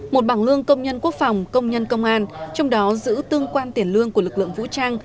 một bảng lương công nhân quốc phòng công nhân công an trong đó giữ tương quan tiền lương của lực lượng vũ trang